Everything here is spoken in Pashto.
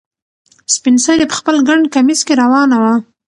سپین سرې په خپل ګڼ کمیس کې روانه وه.